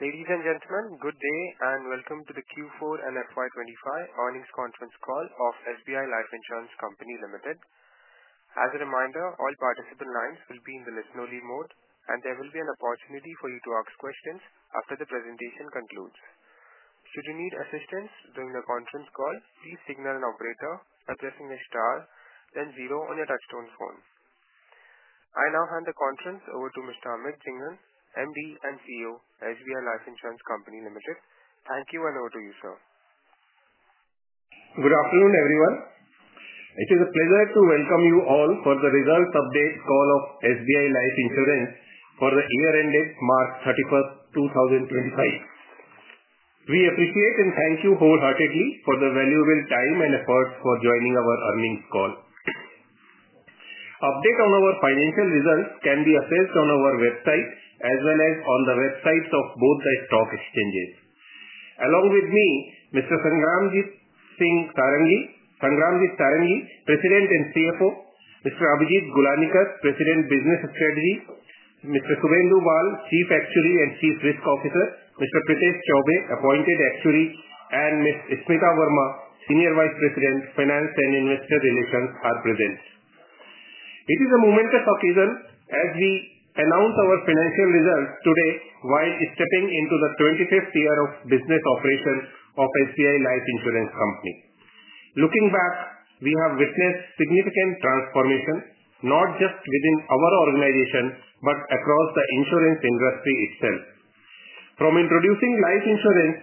Ladies and gentlemen, good day and welcome to the Q4 and FY25 earnings conference call of SBI Life Insurance Company Limited. As a reminder, all participant lines will be in the listen-only mode, and there will be an opportunity for you to ask questions after the presentation concludes. Should you need assistance during the conference call, please signal an operator, pressing the star, then zero on your touch-tone phone. I now hand the conference over to Mr. Amit Jhingran, MD and CEO of SBI Life Insurance Company Limited. Thank you and over to you, sir. Good afternoon, everyone. It is a pleasure to welcome you all for the results update call of SBI Life Insurance Company for the year ended March 31, 2025. We appreciate and thank you wholeheartedly for the valuable time and efforts for joining our earnings call. Update on our financial results can be accessed on our website as well as on the websites of both the stock exchanges. Along with me, Mr. Sangramjit Singh Sarangi, President and CFO; Mr. Abhijit Gulanikar, President, Business Strategy; Mr. Subhendu Bal, Chief Actuary and Chief Risk Officer; Mr. Prithesh Chaubey, Appointed Actuary; and Ms. Smita Verma, Senior Vice President, Finance and Investor Relations, are present. It is a momentous occasion as we announce our financial results today while stepping into the 25th year of business operation of SBI Life Insurance Company. Looking back, we have witnessed significant transformation, not just within our organization but across the insurance industry itself. From introducing life insurance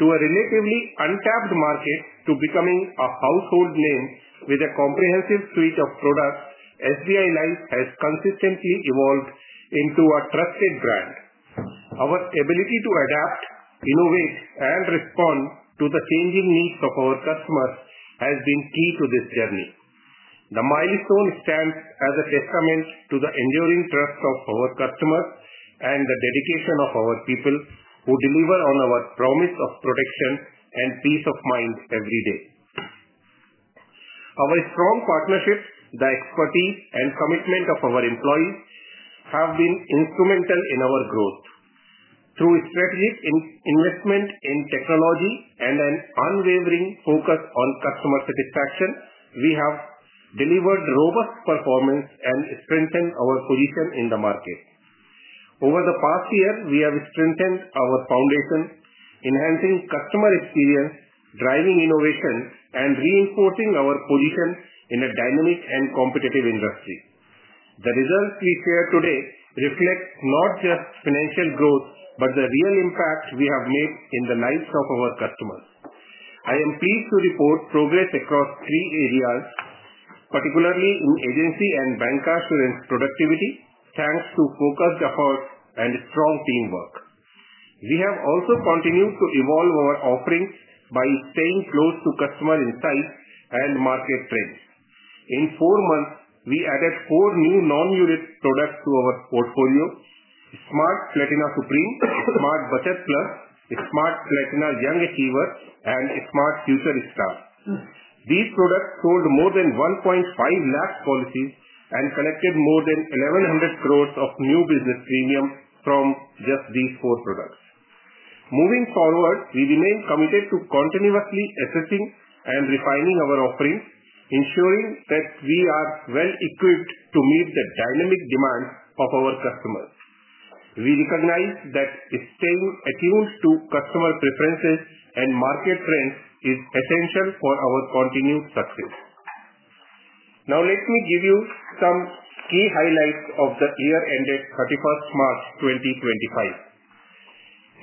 to a relatively untapped market to becoming a household name with a comprehensive suite of products, SBI Life has consistently evolved into a trusted brand. Our ability to adapt, innovate, and respond to the changing needs of our customers has been key to this journey. The milestone stands as a testament to the enduring trust of our customers and the dedication of our people who deliver on our promise of protection and peace of mind every day. Our strong partnerships, the expertise, and commitment of our employees have been instrumental in our growth. Through strategic investment in technology and an unwavering focus on customer satisfaction, we have delivered robust performance and strengthened our position in the market. Over the past year, we have strengthened our foundation, enhancing customer experience, driving innovation, and reinforcing our position in a dynamic and competitive industry. The results we share today reflect not just financial growth but the real impact we have made in the lives of our customers. I am pleased to report progress across three areas, particularly in agency and bancassurance productivity, thanks to focused efforts and strong teamwork. We have also continued to evolve our offerings by staying close to customer insights and market trends. In four months, we added four new non-unit products to our portfolio: Smart Platinum Supreme, Smart Bachat Plus, Smart Platinum Young Achiever, and Smart Future Star. These products sold more than 1.5 lakh policies and collected more than INR 1,100 crore of new business premium from just these four products. Moving forward, we remain committed to continuously assessing and refining our offerings, ensuring that we are well-equipped to meet the dynamic demands of our customers. We recognize that staying attuned to customer preferences and market trends is essential for our continued success. Now, let me give you some key highlights of the year-ended 31st March 2025.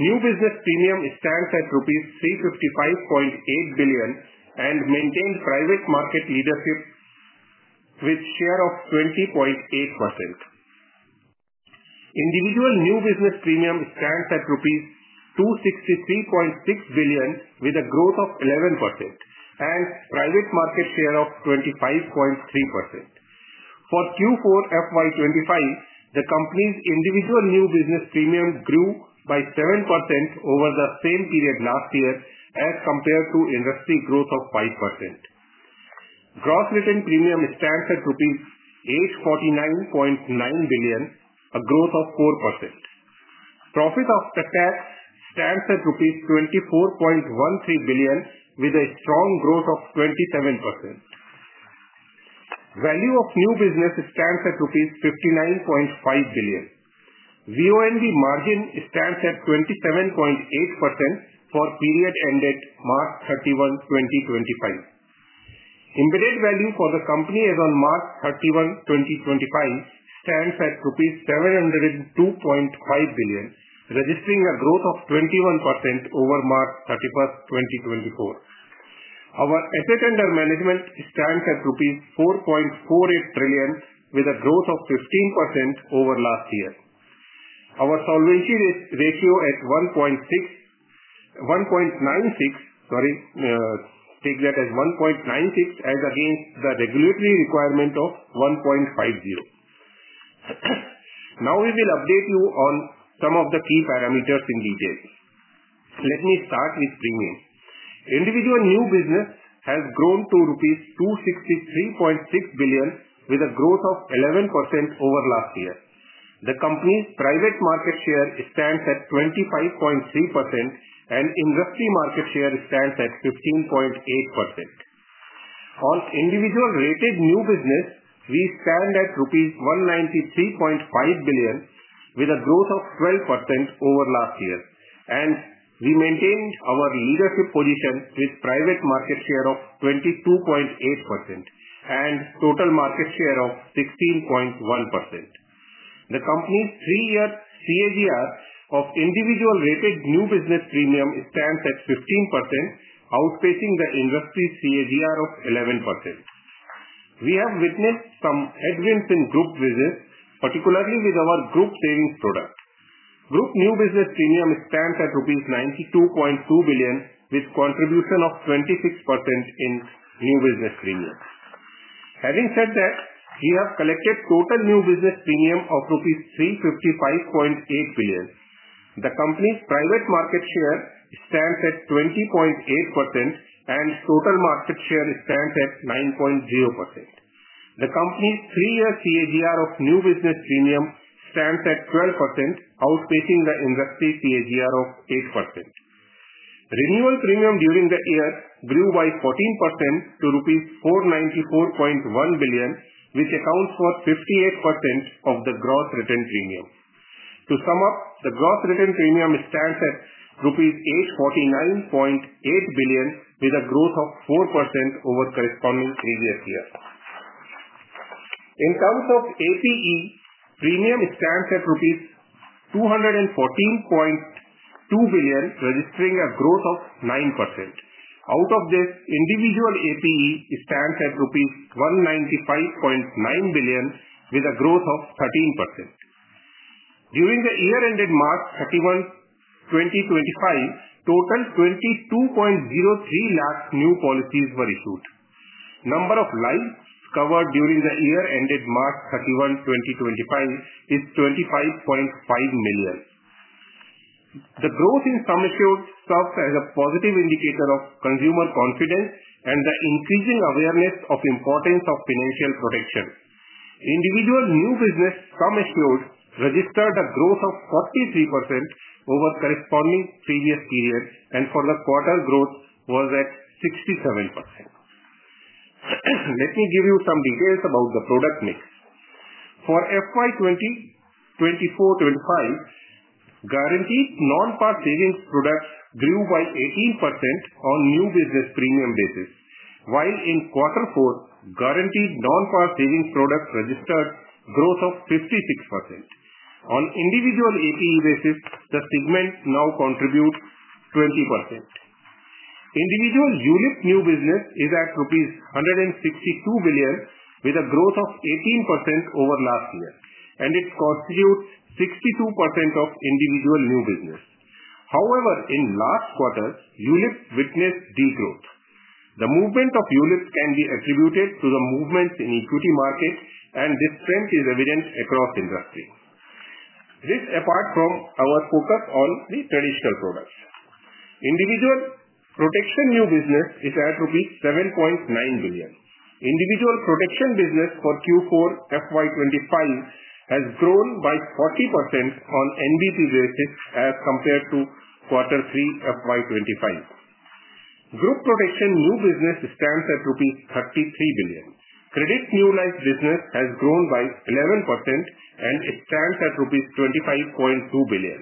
New business premium stands at rupees 355.8 billion and maintained private market leadership with a share of 20.8%. Individual new business premium stands at rupees 263.6 billion with a growth of 11% and private market share of 25.3%. For Q4 FY 2025, the company's individual new business premium grew by 7% over the same period last year as compared to industry growth of 5%. Gross return premium stands at rupees 849.9 billion, a growth of 4%. Profit after tax stands at INR 24.13 billion with a strong growth of 27%. Value of new business stands at 59.5 billion rupees. VNB margin stands at 27.8% for period ended March 31, 2025. Embedded value for the company as of March 31, 2025, stands at 702.5 billion, registering a growth of 21% over March 31st, 2024. Our asset under management stands at rupees 4.48 trillion with a growth of 15% over last year. Our solvency ratio at 1.96, sorry, take that as 1.96 as against the regulatory requirement of 1.50. Now, we will update you on some of the key parameters in detail. Let me start with premium. Individual new business has grown to rupees 263.6 billion with a growth of 11% over last year. The company's private market share stands at 25.3% and industry market share stands at 15.8%. On individual rated new business, we stand at rupees 193.5 billion with a growth of 12% over last year, and we maintained our leadership position with private market share of 22.8% and total market share of 16.1%. The company's three-year CAGR of individual rated new business premium stands at 15%, outpacing the industry CAGR of 11%. We have witnessed some headwinds in group business, particularly with our group savings product. Group new business premium stands at INR 92.2 billion with a contribution of 26% in new business premium. Having said that, we have collected total new business premium of rupees 355.8 billion. The company's private market share stands at 20.8% and total market share stands at 9.0%. The company's three-year CAGR of new business premium stands at 12%, outpacing the industry CAGR of 8%. Renewal premium during the year grew by 14% to 494.1 billion, which accounts for 58% of the gross return premium. To sum up, the gross return premium stands at rupees 849.8 billion with a growth of 4% over corresponding previous year. In terms of APE, premium stands at rupees 214.2 billion, registering a growth of 9%. Out of this, individual APE stands at rupees 195.9 billion with a growth of 13%. During the year-ended March 31, 2025, total 22.03 lakh new policies were issued. Number of lives covered during the year-ended March 31, 2025, is 25.5 million. The growth in sum assured serves as a positive indicator of consumer confidence and the increasing awareness of the importance of financial protection. Individual new business sum assured registered a growth of 43% over corresponding previous period, and for the quarter, growth was at 67%. Let me give you some details about the product mix. For FY 2024-2025, guaranteed non-par savings products grew by 18% on new business premium basis, while in quarter four, guaranteed non-par savings products registered a growth of 56%. On individual APE basis, the segment now contributes 20%. Individual ULIP new business is at rupees 162 billion with a growth of 18% over last year, and it constitutes 62% of individual new business. However, in last quarter, ULIP witnessed degrowth. The movement of ULIP can be attributed to the movements in the equity market, and this trend is evident across industry. This apart from our focus on the traditional products. Individual protection new business is at 7.9 billion. Individual protection business for Q4 FY 2025 has grown by 40% on NBP basis as compared to quarter three FY 2025. Group protection new business stands at INR 33 billion. Credit life new business has grown by 11% and stands at rupees 25.2 billion.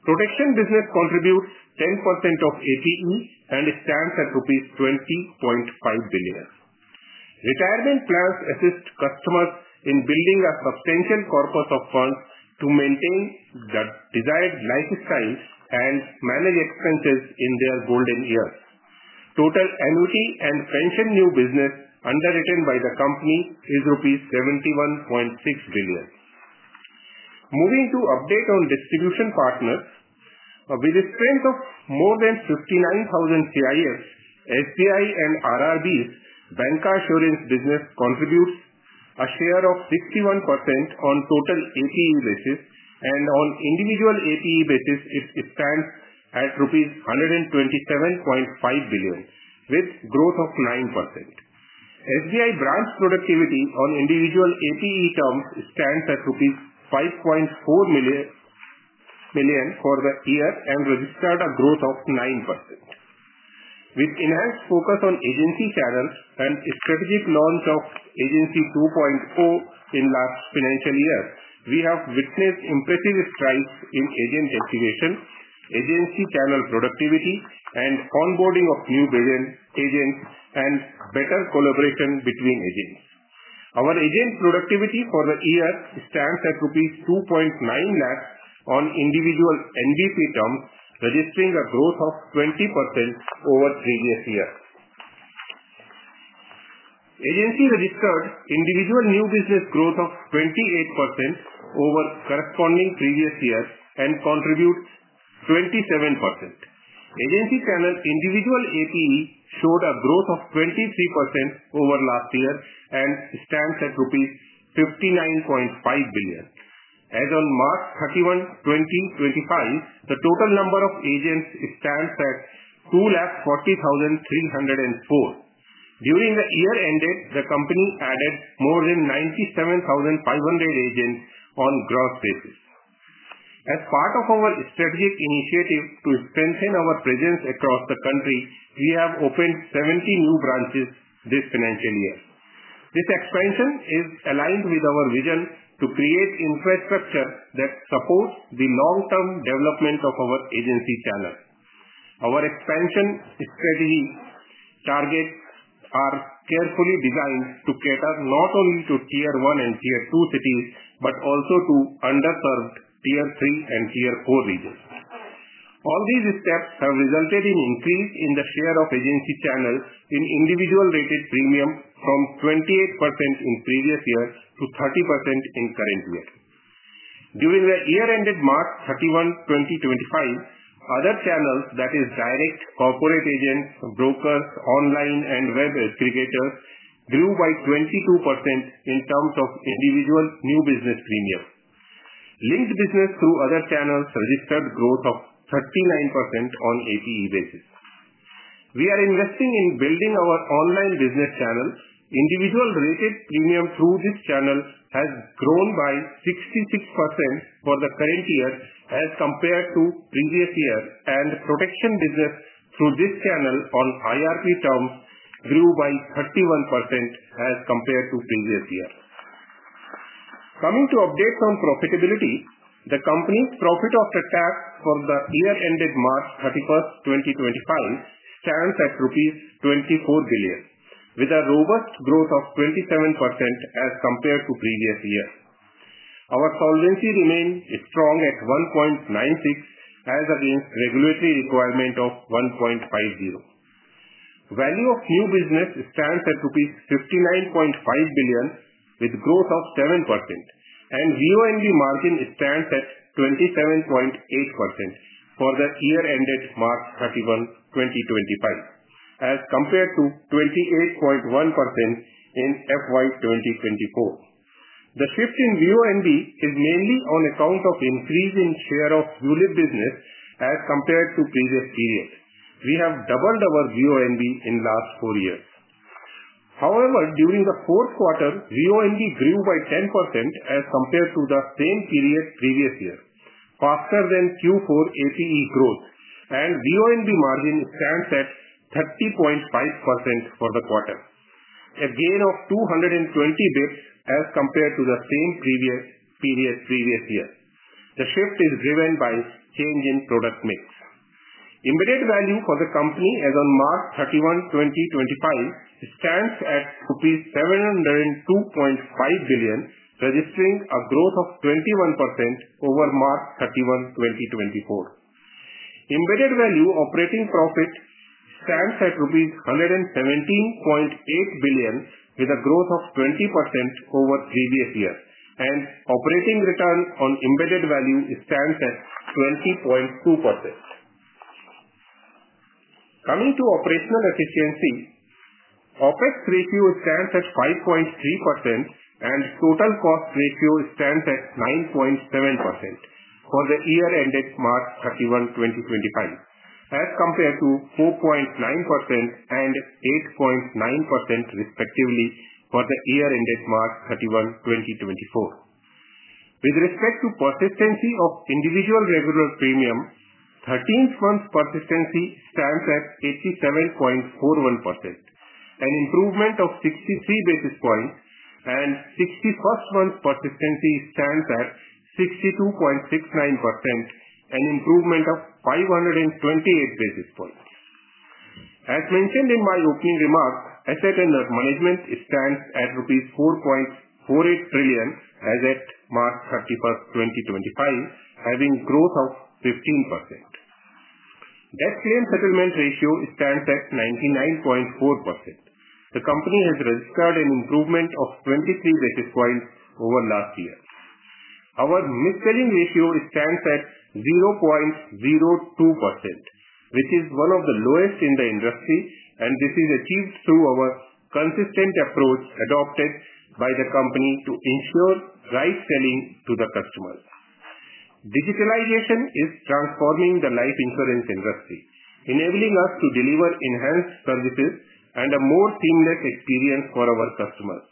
Protection business contributes 10% of APE and stands at 20.5 billion rupees. Retirement plans assist customers in building a substantial corpus of funds to maintain the desired lifestyle and manage expenses in their golden years. Total annuity and pension new business underwritten by the company is rupees 71.6 billion. Moving to update on distribution partners, with a strength of more than 59,000 CIFs, SBI and RRBs, Bancassurance business contributes a share of 61% on total APE basis, and on individual APE basis, it stands at rupees 127.5 billion with a growth of 9%. SBI branch productivity on individual APE terms stands at 5.4 million rupees for the year and registered a growth of 9%. With enhanced focus on agency channels and strategic launch of Agency 2.0 in last financial year, we have witnessed impressive strides in agent activation, agency channel productivity, and onboarding of new agents and better collaboration between agents. Our agent productivity for the year stands at rupees 2.9 lakh on individual NBP terms, registering a growth of 20% over previous year. Agency registered individual new business growth of 28% over corresponding previous year and contributes 27%. Agency channel individual APE showed a growth of 23% over last year and stands at rupees 59.5 billion. As on March 31, 2025, the total number of agents stands at 240,304. During the year-ended, the company added more than 97,500 agents on gross basis. As part of our strategic initiative to strengthen our presence across the country, we have opened 70 new branches this financial year. This expansion is aligned with our vision to create infrastructure that supports the long-term development of our agency channel. Our expansion strategy targets are carefully designed to cater not only to tier one and tier two cities but also to underserved tier three and tier four regions. All these steps have resulted in an increase in the share of agency channels in individual rated premium from 28% in previous year to 30% in current year. During the year ended March 31, 2025, other channels, that is direct corporate agents, brokers, online, and web aggregators, grew by 22% in terms of individual new business premium. Linked business through other channels registered a growth of 39% on APE basis. We are investing in building our online business channel. Individual rated premium through this channel has grown by 66% for the current year as compared to previous year, and protection business through this channel on IRP terms grew by 31% as compared to previous year. Coming to updates on profitability, the company's profit after tax for the year-ended March 31, 2025, stands at 24 billion rupees, with a robust growth of 27% as compared to previous year. Our solvency remained strong at 1.96 as against regulatory requirement of 1.50. Value of new business stands at 59.5 billion rupees with a growth of 7%, and VNB margin stands at 27.8% for the year-ended March 31, 2025, as compared to 28.1% in FY 2024. The shift in VNB is mainly on account of an increase in the share of ULIP business as compared to the previous period. We have doubled our VNB in the last four years. However, during the fourth quarter, VNB grew by 10% as compared to the same period previous year, faster than Q4 APE growth, and VNB margin stands at 30.5% for the quarter. A gain of 220 basis points as compared to the same period previous year. The shift is driven by a change in product mix. Embedded value for the company as on March 31, 2025, stands at rupees 702.5 billion, registering a growth of 21% over March 31, 2024. Embedded value operating profit stands at INR 117.8 billion with a growth of 20% over the previous year, and operating return on embedded value stands at 20.2%. Coming to operational efficiency, OpEx ratio stands at 5.3% and total cost ratio stands at 9.7% for the year-ended March 31, 2025, as compared to 4.9% and 8.9% respectively for the year-ended March 31, 2024. With respect to persistency of individual regular premium, 13th month persistency stands at 87.41%, an improvement of 63 basis points, and 61st month persistency stands at 62.69%, an improvement of 528 basis points. As mentioned in my opening remarks, asset under management stands at INR 4.48 trillion as at March 31, 2025, having a growth of 15%. Death claim settlement ratio stands at 99.4%. The company has registered an improvement of 23 basis points over last year. Our mis-selling ratio stands at 0.02%, which is one of the lowest in the industry, and this is achieved through our consistent approach adopted by the company to ensure right selling to the customers. Digitalization is transforming the life insurance industry, enabling us to deliver enhanced services and a more seamless experience for our customers.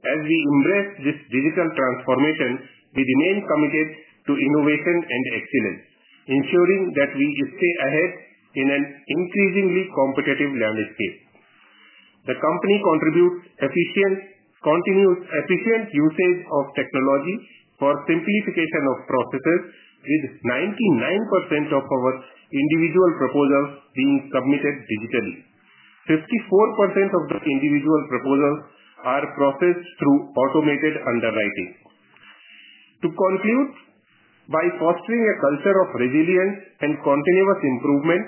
As we embrace this digital transformation, we remain committed to innovation and excellence, ensuring that we stay ahead in an increasingly competitive landscape. The company contributes efficient usage of technology for simplification of processes, with 99% of our individual proposals being submitted digitally. 54% of the individual proposals are processed through automated underwriting. To conclude, by fostering a culture of resilience and continuous improvement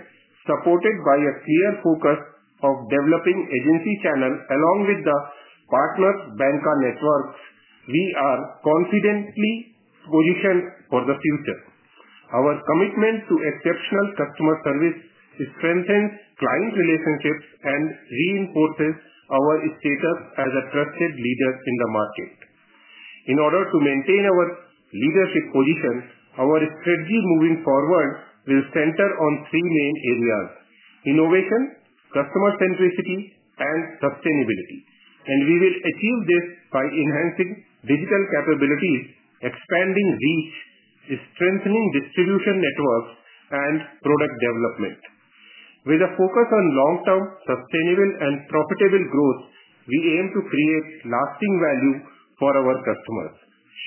supported by a clear focus of developing agency channel along with the partner bank networks, we are confidently positioned for the future. Our commitment to exceptional customer service strengthens client relationships and reinforces our status as a trusted leader in the market. In order to maintain our leadership position, our strategy moving forward will center on three main areas: innovation, customer centricity, and sustainability. We will achieve this by enhancing digital capabilities, expanding reach, strengthening distribution networks, and product development. With a focus on long-term sustainable and profitable growth, we aim to create lasting value for our customers,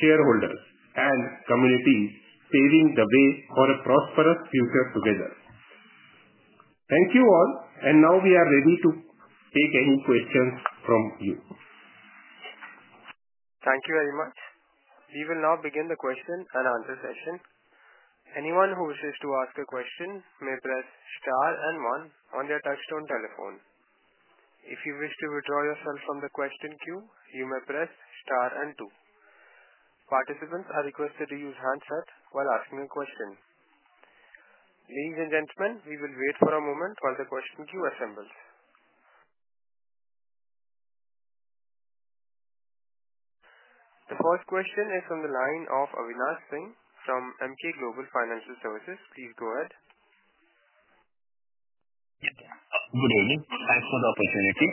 shareholders, and communities, paving the way for a prosperous future together. Thank you all, and now we are ready to take any questions from you. Thank you very much. We will now begin the question and answer session. Anyone who wishes to ask a question may press star and one on their touchstone telephone. If you wish to withdraw yourself from the question queue, you may press star and two. Participants are requested to use handset while asking a question. Ladies and gentlemen, we will wait for a moment while the question queue assembles. The first question is from the line of Avinash Singh from Emkay Global Financial Services. Please go ahead. Yes, sir. Good evening. Thanks for the opportunity.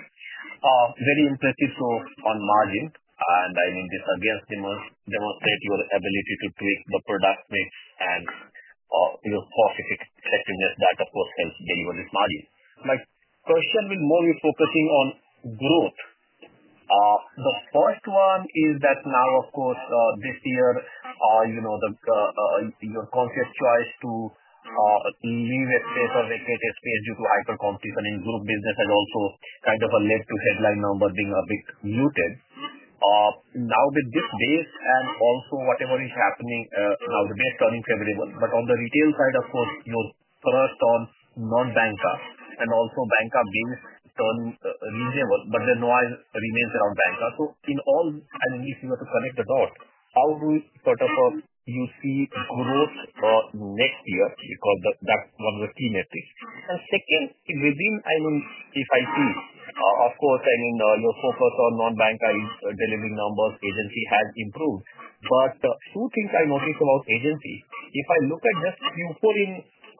Very impressive growth on margin, and I mean, this again demonstrates your ability to tweak the product mix and your specific effectiveness that, of course, helps deliver this margin. My question will more be focusing on growth. The first one is that now, of course, this year, your conscious choice to leave a space or vacate a space due to hyper-competition in group business and also kind of a lead to headline number being a bit muted. Now, with this base and also whatever is happening now, the base turning favorable, but on the retail side, of course, you're first on non-bankers and also banker base turning reasonable, but the noise remains around bankers. In all, I mean, if you were to connect the dot, how do you sort of see growth next year? Because that's one of the key metrics. Second, within, I mean, if I see, of course, I mean, your focus on non-banker is delivering numbers, agency has improved. Two things I noticed about agency. If I look at just Q4 in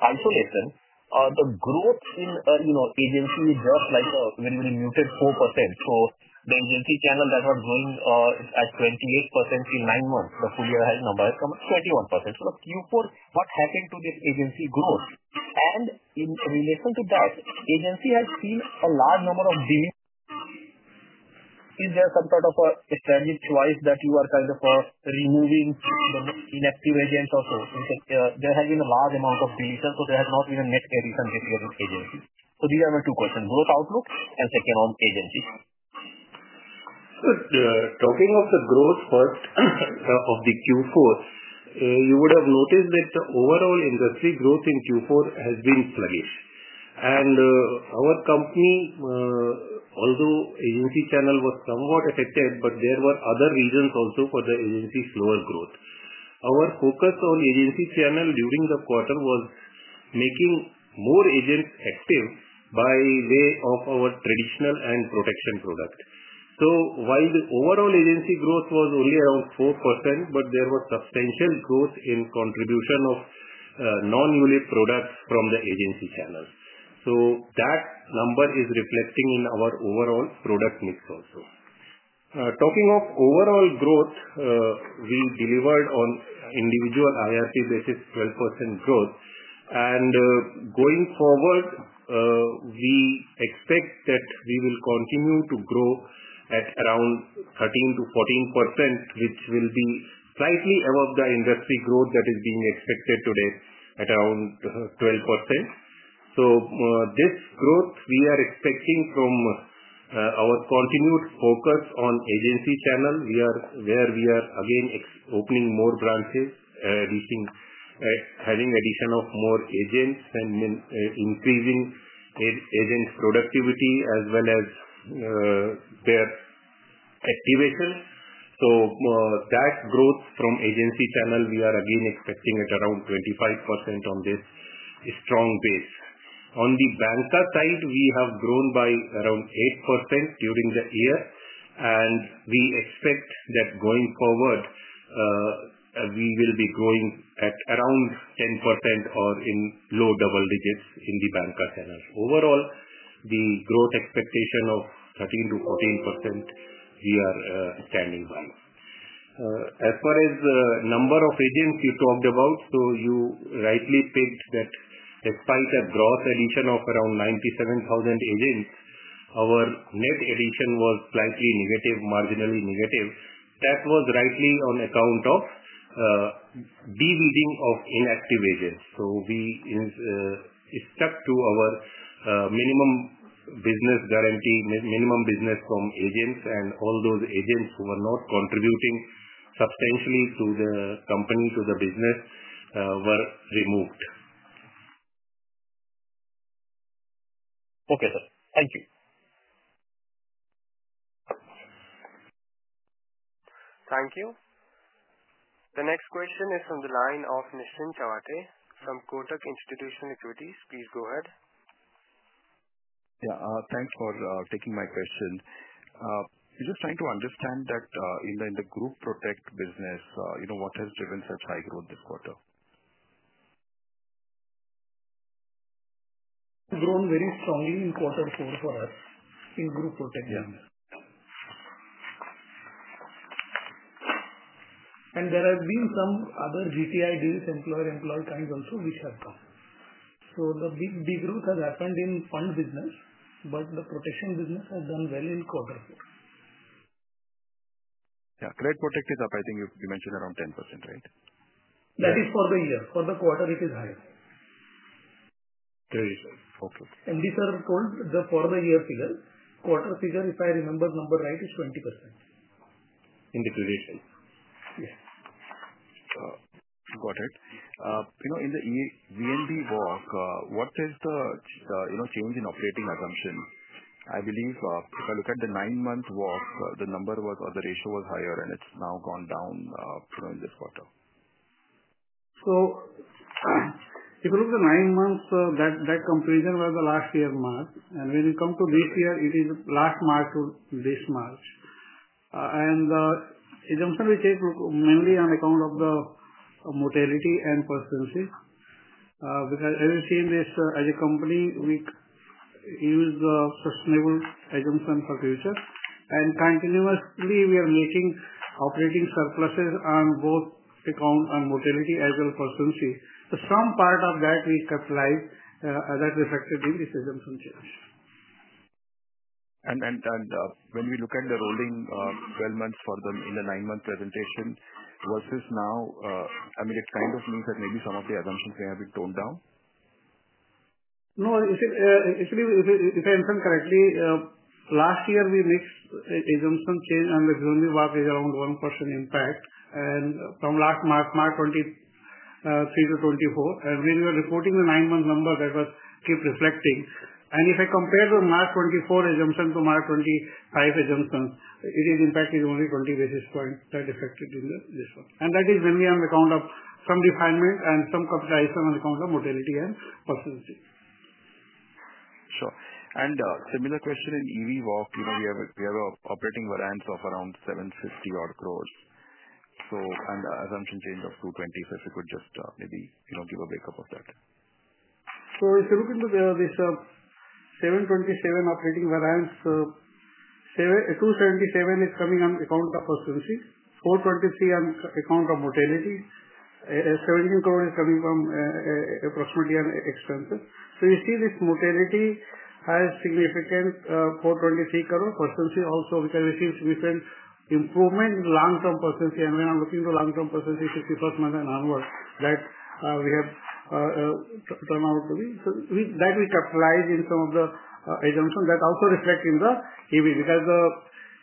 isolation, the growth in agency is just like a very, very muted 4%. The agency channel that was growing at 28% in nine months, the full year-end number has come up to 21%. Q4, what happened to this agency growth? In relation to that, agency has seen a large number of deletions. Is there some sort of a strategic choice that you are kind of removing the inactive agents or so? There has been a large amount of deletions, so there has not been a net addition this year in agency. These are my two questions: growth outlook and second on agency. Talking of the growth first of the Q4, you would have noticed that the overall industry growth in Q4 has been sluggish. Our company, although agency channel was somewhat affected, but there were other reasons also for the agency's slower growth. Our focus on agency channel during the quarter was making more agents active by way of our traditional and protection product. While the overall agency growth was only around 4%, there was substantial growth in contribution of non-ULIP products from the agency channel. That number is reflecting in our overall product mix also. Talking of overall growth, we delivered on individual IRP basis 12% growth. Going forward, we expect that we will continue to grow at around 13%-14%, which will be slightly above the industry growth that is being expected today at around 12%. This growth we are expecting from our continued focus on the agency channel, where we are again opening more branches, having addition of more agents and increasing agent productivity as well as their activation. That growth from the agency channel, we are again expecting at around 25% on this strong base. On the banker side, we have grown by around 8% during the year, and we expect that going forward, we will be growing at around 10% or in low double digits in the banker channel. Overall, the growth expectation of 13%-14%, we are standing by. As far as the number of agents you talked about, you rightly picked that despite a gross addition of around 97,000 agents, our net addition was slightly negative, marginally negative. That was rightly on account of de-leading of inactive agents. We stuck to our minimum business guarantee, minimum business from agents, and all those agents who were not contributing substantially to the company, to the business, were removed. Okay, sir. Thank you. Thank you. The next question is from the line of Nischint Chawathe from Kotak Institutional Equities. Please go ahead. Yeah. Thanks for taking my question. Just trying to understand that in the group protect business, what has driven such high growth this quarter? Grown very strongly in quarter four for us in group protect business. And there have been some other GTI deals, employer-employee kinds also, which have come. The big growth has happened in fund business, but the protection business has done well in quarter four. Yeah. Credit protect is up, I think you mentioned around 10%, right? That is for the year. For the quarter, it is higher. Credit rate. Okay. This is told for the year figure. Quarter figure, if I remember number right, is 20%. In the credit rate. Yes. Got it. In the VNB walk, what is the change in operating assumption? I believe if I look at the nine-month walk, the number was or the ratio was higher, and it's now gone down in this quarter. If you look at the nine months, that comparison was the last year's March. When you come to this year, it is last March to this March. The assumption we take mainly on account of the mortality and persistency. Because as you see in this, as a company, we use the sustainable assumption for future. Continuously, we are making operating surpluses on both account and mortality as well as persistency. Some part of that we capitalize that reflected in this assumption change. When we look at the rolling 12 months for them in the nine-month presentation versus now, I mean, it kind of means that maybe some of the assumptions may have been toned down? No. Actually, if I understand correctly, last year we mixed assumption change and the resume work is around 1% impact. From last March, March 2023 to 2024. When we were reporting the nine-month number, that was kept reflecting. If I compare the March 2024 assumption to March 2025 assumption, it is impacted only 20 basis points that affected in this one. That is mainly on account of some refinement and some capitalization on account of mortality and persistency. Sure. Similar question in EV walk. We have an operating variance of around 750 crore and assumption change of 220 crore. If you could just maybe give a breakup of that. If you look into this 727 crore operating variance, 277 crore is coming on account of persistency, 423 crore on account of mortality, 17 crore is coming from approximately on expenses. You see this mortality has significant 423 crore, persistency also, which has received significant improvement in long-term persistency. When I'm looking into long-term persistency, 51st month and onward, that we have turned out to be. That we capitalize in some of the assumption that also reflect in the EV. Because the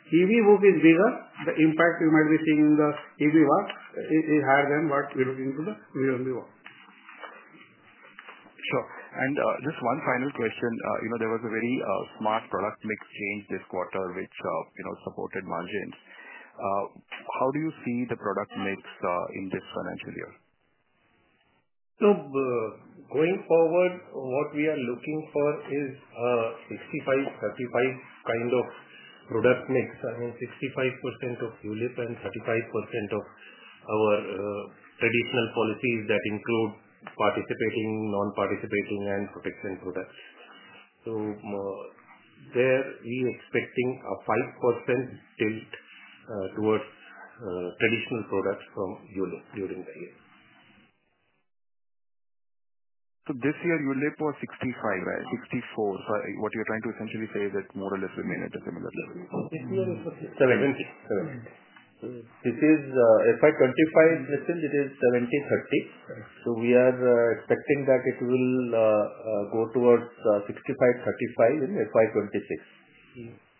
EV book is bigger, the impact you might be seeing in the EV work is higher than what we're looking into the VNB walk. Sure. Just one final question. There was a very smart product mix change this quarter, which supported margins. How do you see the product mix in this financial year? Going forward, what we are looking for is a 65/35 kind of product mix. I mean, 65% of ULIP and 35% of our traditional policies that include participating, non-participating, and protection products. There, we are expecting a 5% tilt towards traditional products from ULIP during the year. This year, ULIP was 65, right? 64. What you are trying to essentially say is that it will more or less remain at a similar level? This year is 70. 70. This is FY 2025, Nischint, it is 70/30. We are expecting that it will go towards 65/35 in FY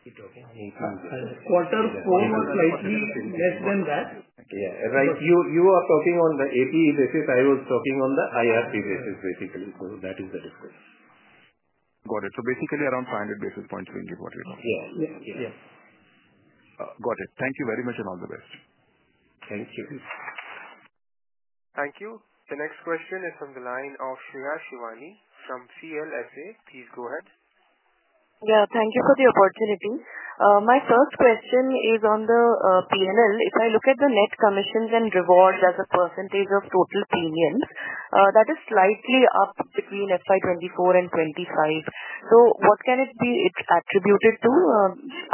2026. Quarter four was slightly less than that. Right. You are talking on the APE basis. I was talking on the IRP basis, basically. That is the difference. Got it. Basically, around 500 basis points will be what we are talking about. Yeah. Yeah. Yeah. Got it. Thank you very much and all the best. Thank you. Thank you. The next question is from the line of Shreya Shivani from CLSA. Please go ahead. Yeah. Thank you for the opportunity. My first question is on the P&L. If I look at the net commissions and rewards as a percentage of total premiums, that is slightly up between FY 2024 and FY 2025. What can it be attributed to?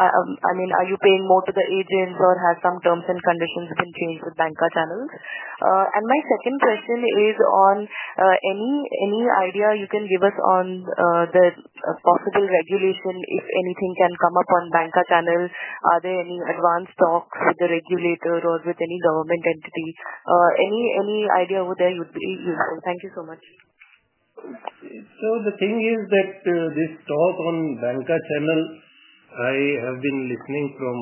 I mean, are you paying more to the agents or have some terms and conditions been changed with banker channels? My second question is on any idea you can give us on the possible regulation, if anything can come up on banker channel, are there any advanced talks with the regulator or with any government entity? Any idea over there would be useful. Thank you so much. The thing is that this talk on banker channel, I have been listening from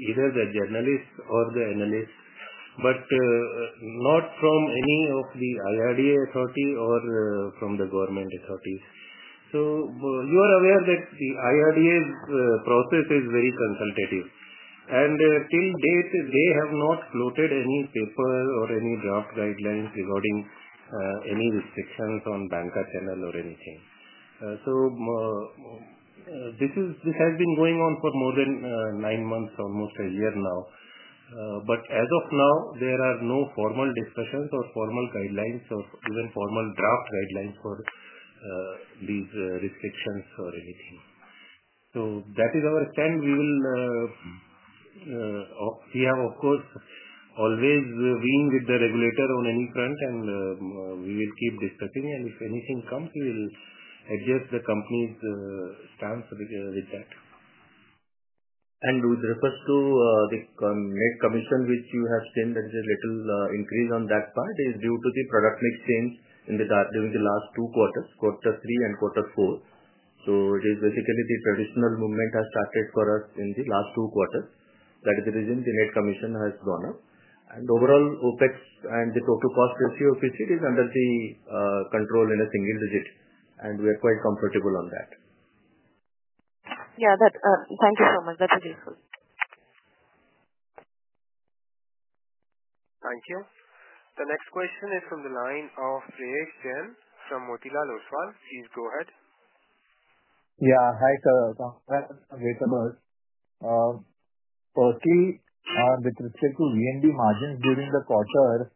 either the journalist or the analyst, but not from any of the IRDA authority or from the government authorities. You are aware that the IRDA's process is very consultative. Till date, they have not floated any paper or any draft guidelines regarding any restrictions on banker channel or anything. This has been going on for more than nine months, almost a year now. As of now, there are no formal discussions or formal guidelines or even formal draft guidelines for these restrictions or anything. That is our stand. We have, of course, always been with the regulator on any front, and we will keep discussing. If anything comes, we will adjust the company's stance with that. With reference to the net commission, which you have seen that there's a little increase on that part, it is due to the product mix change during the last two quarters, quarter three and quarter four. It is basically the traditional movement has started for us in the last two quarters. That is the reason the net commission has gone up. Overall, OpEx and the total cost ratio of it is under the control in a single digit. We are quite comfortable on that. Yeah. Thank you so much. That is useful. Thank you. The next question is from the line of Prayesh Jain from Motilal Oswal. Please go ahead. Yeah. Hi. Firstly, with respect to VNB margins during the quarter,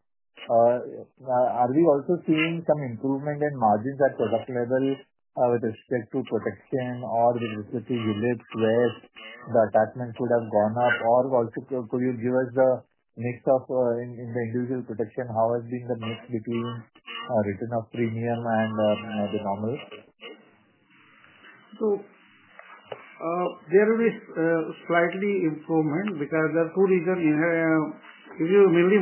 are we also seeing some improvement in margins at product level with respect to protection or with respect to ULIPs where the attachment could have gone up? Could you give us the mix of in the individual protection, how has been the mix between return of premium and the normal? There is slightly improvement because there are two reasons. If you mainly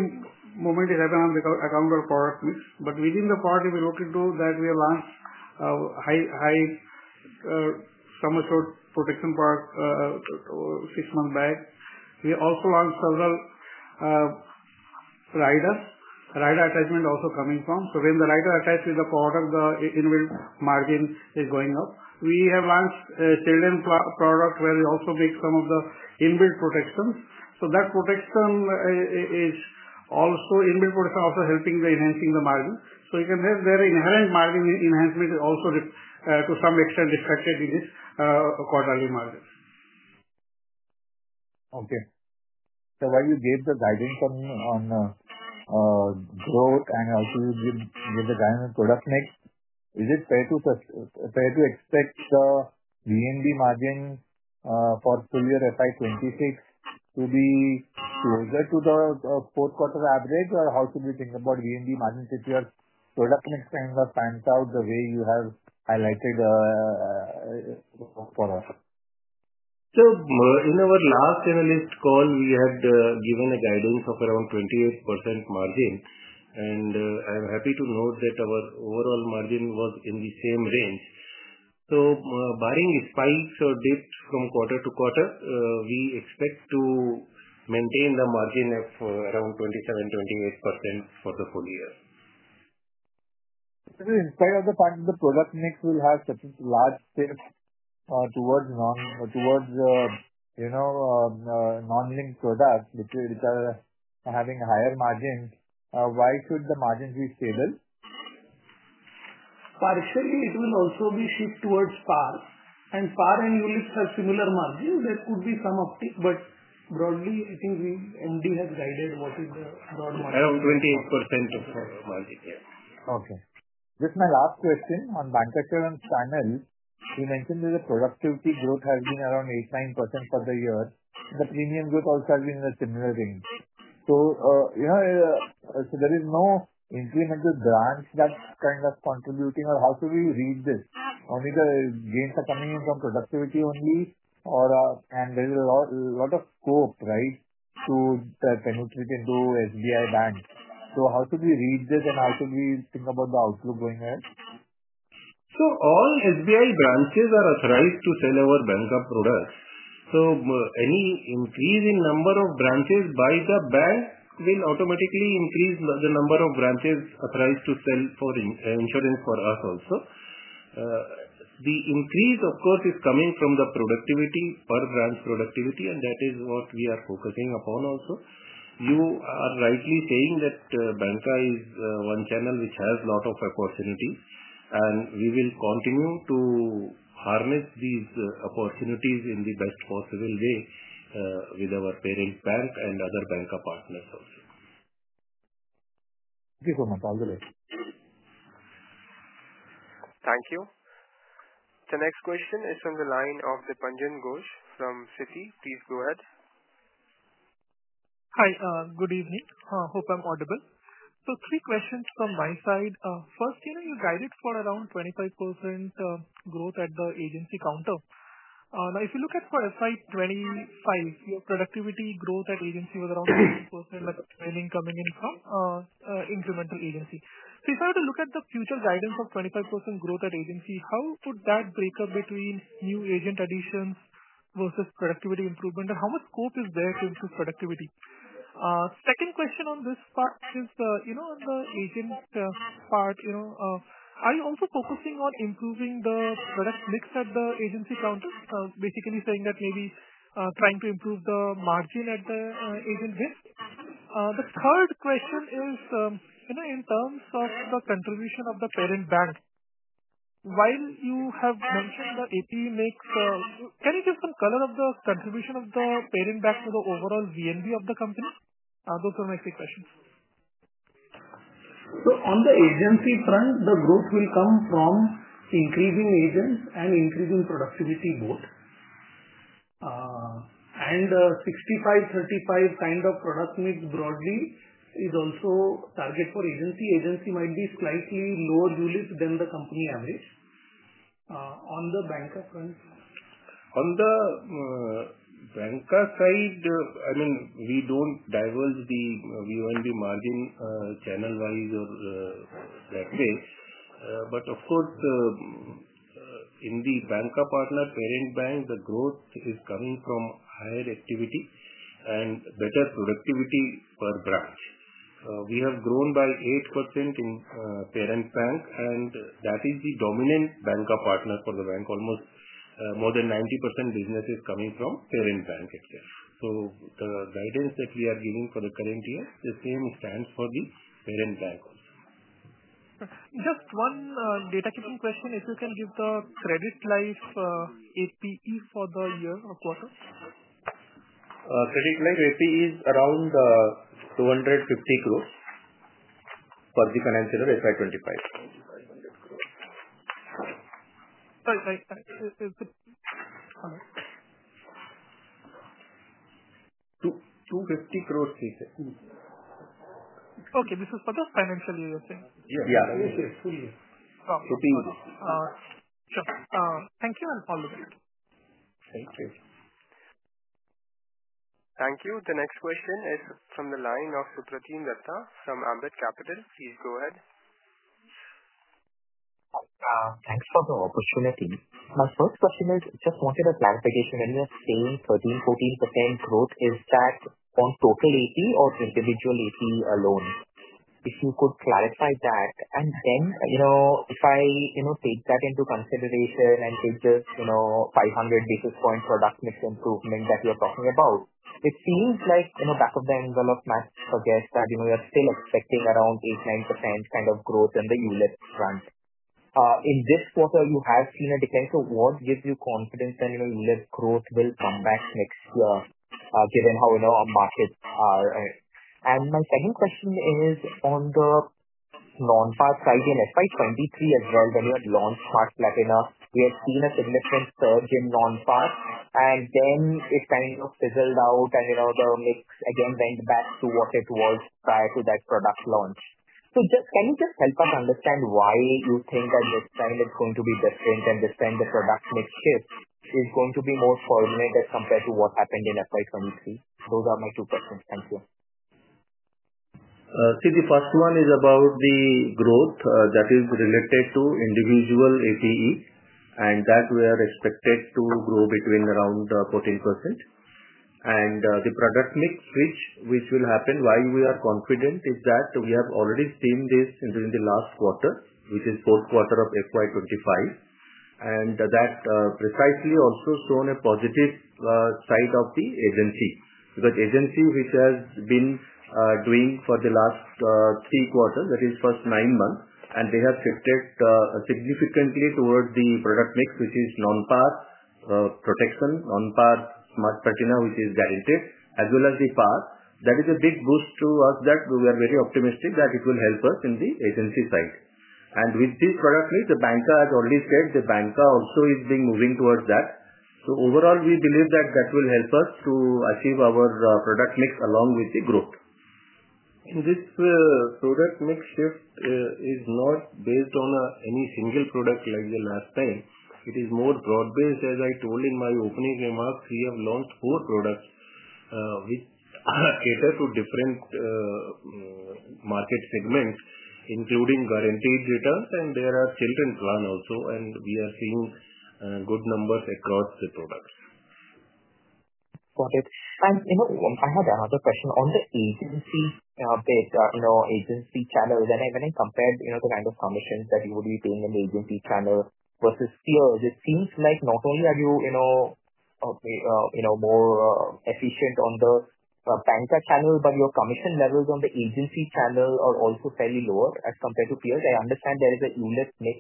moment is happening on account of product mix. Within the quarter, if you look into that, we have launched high sum assured protection product six months back. We also launched several riders. Rider attachment also coming from. When the rider attached with the quarter, the inbuilt margin is going up. We have launched children product where we also make some of the inbuilt protections. That protection is also inbuilt protection also helping the enhancing the margin. You can say there is inherent margin enhancement also to some extent reflected in this quarterly margin. Okay. While you gave the guidance on growth and also you gave the guidance on product mix, is it fair to expect the VNB margin for full year FY 2026 to be closer to the fourth quarter average, or how should we think about VNB margin if your product mix kind of pans out the way you have highlighted for us? In our last analyst call, we had given a guidance of around 28% margin. I'm happy to note that our overall margin was in the same range. Barring spikes or dips from quarter to quarter, we expect to maintain the margin of around 27%-28% for the full year. In spite of the fact that the product mix will have such large shift towards non-linked products, which are having higher margins, why should the margins be stable? Partially, it will also be shift towards par. And par and ULIPs have similar margins. There could be some uptick, but broadly, I think VNB has guided what is the broad margin. Around 28% of margin, yes. Okay. Just my last question on banker channels. You mentioned that the productivity growth has been around 8-9% for the year. The premium growth also has been in the similar range. There is no incremental branch that's kind of contributing, or how should we read this? Only the gains are coming in from productivity only, and there is a lot of scope, right, to penetrate into SBI banks. How should we read this, and how should we think about the outlook going ahead? All SBI branches are authorized to sell our banker products. Any increase in number of branches by the bank will automatically increase the number of branches authorized to sell insurance for us also. The increase, of course, is coming from the productivity per branch productivity, and that is what we are focusing upon also. You are rightly saying that banker is one channel which has a lot of opportunities, and we will continue to harness these opportunities in the best possible way with our parent bank and other banker partners also. Thank you so much. All the best. Thank you. The next question is from the line of Dipanjan Ghosh from Citi. Please go ahead. Hi. Good evening. Hope I'm audible. Three questions from my side. First, you guided for around 25% growth at the agency counter. Now, if you look at for FY 2025, your productivity growth at agency was around 20%, but the training coming in from incremental agency. If I were to look at the future guidance of 25% growth at agency, how would that break up between new agent additions versus productivity improvement, and how much scope is there to improve productivity? Second question on this part is on the agent part. Are you also focusing on improving the product mix at the agency counter? Basically saying that maybe trying to improve the margin at the agent mix? The third question is in terms of the contribution of the parent bank. While you have mentioned the APE mix, can you give some color of the contribution of the parent bank to the overall VNB of the company? Those are my three questions. On the agency front, the growth will come from increasing agents and increasing productivity both. A 65/35 kind of product mix broadly is also target for agency. Agency might be slightly lower ULIPs than the company average on the banker front. On the banker side, I mean, we do not divulge the VNB margin channel-wise or that way. Of course, in the banker partner, parent bank, the growth is coming from higher activity and better productivity per branch. We have grown by 8% in parent bank, and that is the dominant banker partner for the bank. Almost more than 90% business is coming from parent bank itself. The guidance that we are giving for the current year, the same stands for the parent bank also. Just one data-keeping question. If you can give the credit life APE for the year or quarter? Credit life APE is around INR 250 crore for the financial year 2025. INR 250 crore. INR 250 crore, you said. Okay. This is for the financial year, you're saying? Yeah. Yeah. This is full year. Okay. Sure. Thank you and all the best. Thank you. Thank you. The next question is from the line of Supratim Datta from Ambit Capital. Please go ahead. Thanks for the opportunity. My first question is just wanted a clarification. When you're saying 13-14% growth, is that on total APE or individual APE alone? If you could clarify that. And then if I take that into consideration and take this 500 basis point product mix improvement that you're talking about, it seems like back of the envelope math, forget that you're still expecting around 8%-9% kind of growth in the ULIPs front. In this quarter, you have seen a decline. What gives you confidence that ULIPs growth will come back next year given how our markets are? My second question is on the non-PAR side in financial year 2023 as well, when you had launched PARS Platina, we had seen a significant surge in non-PAR, and then it kind of fizzled out, and the mix again went back to what it was prior to that product launch. Can you just help us understand why you think that this trend is going to be different and this trend, the product mix shift, is going to be more permanent as compared to what happened in FY 2023? Those are my two questions. Thank you. See, the first one is about the growth that is related to individual APE, and that we are expected to grow between around 14%. The product mix switch, which will happen, why we are confident is that we have already seen this during the last quarter, which is fourth quarter of FY 2025. That precisely also shows a positive side of the agency because agency, which has been doing for the last three quarters, that is first nine months, and they have shifted significantly toward the product mix, which is non-PAR protection, non-PAR Smart Platinum Supreme, which is guaranteed, as well as the PAR. That is a big boost to us that we are very optimistic that it will help us in the agency side. With this product mix, the banker has already said the banker also is moving towards that. Overall, we believe that will help us to achieve our product mix along with the growth. This product mix shift is not based on any single product like the last time. It is more broad-based. As I told in my opening remarks, we have launched four products which cater to different market segments, including guaranteed returns, and there are children plan also, and we are seeing good numbers across the products. Got it. I had another question. On the agency bit, agency channel, when I compared the kind of commissions that you would be paying in the agency channel versus PIR, it seems like not only are you more efficient on the banker channel, but your commission levels on the agency channel are also fairly lower as compared to PIRs. I understand there is a ULIPs mix.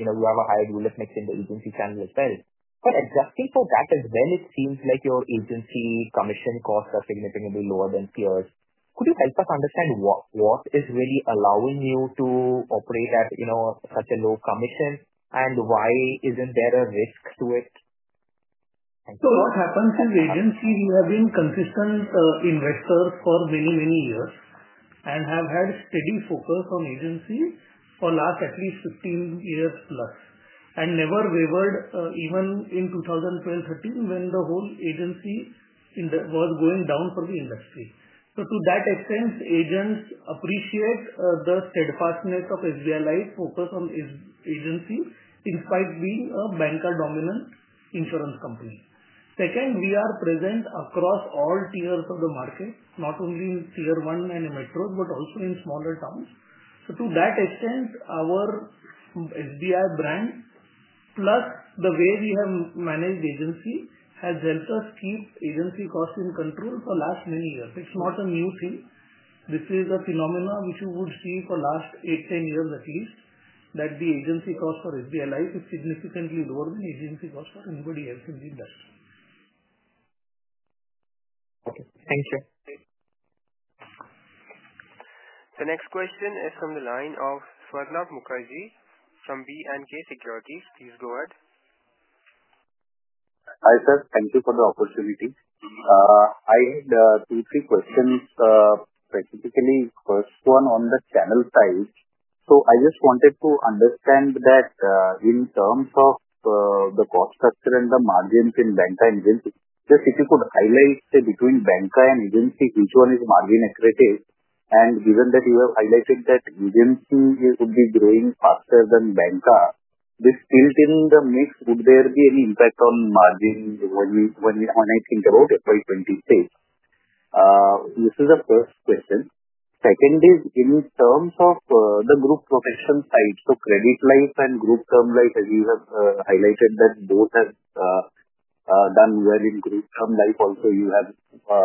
You have a higher ULIPs mix in the agency channel as well. Adjusting for that as well, it seems like your agency commission costs are significantly lower than peers. Could you help us understand what is really allowing you to operate at such a low commission, and why isn't there a risk to it? What happens is agency, we have been consistent investors for many, many years and have had steady focus on agency for at least the last 15 years plus and never wavered, even in 2012-2013 when the whole agency was going down for the industry. To that extent, agents appreciate the steadfastness of SBI Life focus on agency in spite of being a banker dominant insurance company. Second, we are present across all tiers of the market, not only in tier one and in metros, but also in smaller towns. To that extent, our SBI brand plus the way we have managed agency has helped us keep agency costs in control for last many years. It is not a new thing. This is a phenomenon which you would see for last 8-10 years at least, that the agency cost for SBI Life is significantly lower than agency cost for anybody else in the industry. Okay. Thank you. The next question is from the line of Swarnabha Mukherjee from B&K Securities. Please go ahead. Hi sir. Thank you for the opportunity. I had two or three questions, specifically first one on the channel side. I just wanted to understand that in terms of the cost structure and the margins in banker and agency, just if you could highlight between banker and agency, which one is margin accurate? Given that you have highlighted that agency would be growing faster than bancassurance, this tilt in the mix, would there be any impact on margin when I think about FY 2026? This is the first question. Second is in terms of the group protection side, so credit life and group term life, as you have highlighted that both have done well in group term life. Also, you have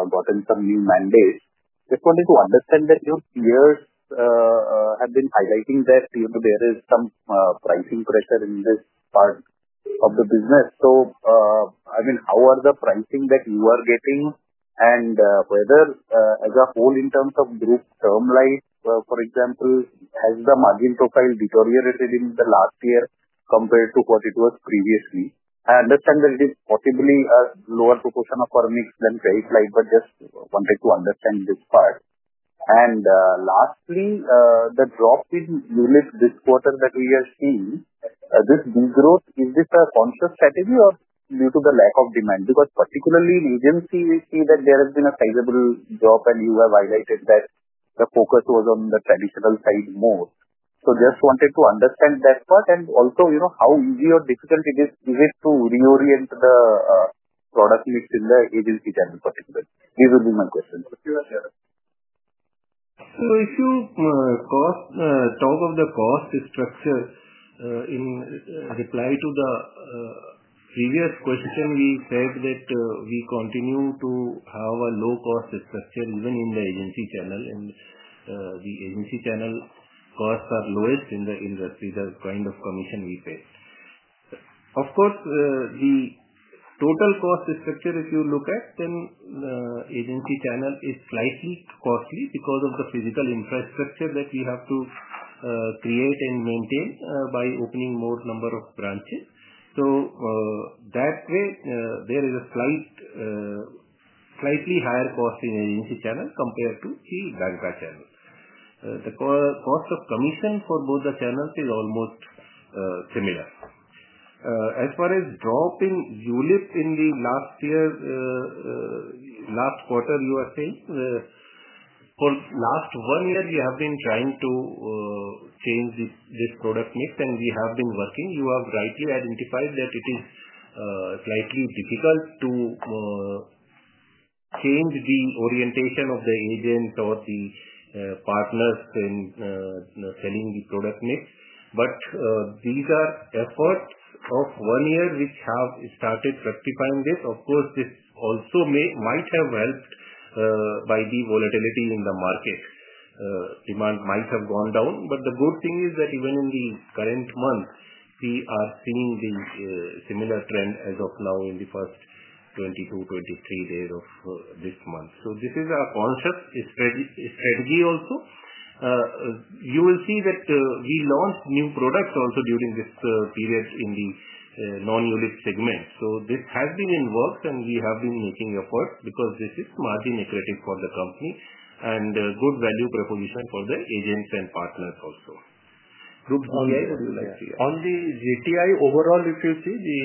gotten some new mandates. Just wanted to understand that your peers have been highlighting that there is some pricing pressure in this part of the business. I mean, how are the pricing that you are getting and whether as a whole in terms of group term life, for example, has the margin profile deteriorated in the last year compared to what it was previously? I understand that it is possibly a lower proportion of our mix than credit life, but just wanted to understand this part. Lastly, the drop in ULIPs this quarter that we are seeing, this degrowth, is this a conscious strategy or due to the lack of demand? Because particularly in agency, we see that there has been a sizable drop, and you have highlighted that the focus was on the traditional side more. I just wanted to understand that part and also how easy or difficult it is to reorient the product mix in the agency channel particularly. These will be my questions. If you talk of the cost structure in reply to the previous question, we said that we continue to have a low cost structure even in the agency channel, and the agency channel costs are lowest in the industry, the kind of commission we pay. Of course, the total cost structure, if you look at, then the Agency Channel is slightly costly because of the physical infrastructure that we have to create and maintain by opening more number of branches. That way, there is a slightly higher cost in Agency Channel compared to the Bancassurance channel. The cost of commission for both the channels is almost similar. As far as drop in ULIPs in the last quarter, you are saying for last one year, we have been trying to change this product mix, and we have been working. You have rightly identified that it is slightly difficult to change the orientation of the agent or the partners in selling the product mix. These are efforts of one year which have started rectifying this. Of course, this also might have helped by the volatility in the market. Demand might have gone down, but the good thing is that even in the current month, we are seeing the similar trend as of now in the first 22-23 days of this month. This is a conscious strategy also. You will see that we launched new products also during this period in the non-ULIPs segment. This has been in works, and we have been making efforts because this is margin accurate for the company and good value proposition for the agents and partners also. Group CI, what do you like to hear? On the GTI overall, if you see the